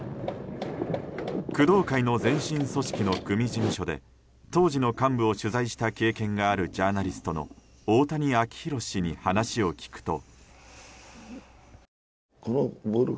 工藤会の前身組織の組事務所で当時の幹部を取材した経験がある、ジャーナリストの大谷昭宏氏に話を聞くと。